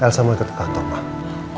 eh elsa mau ikut ke kantor mak